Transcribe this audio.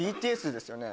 ＢＴＳですよね。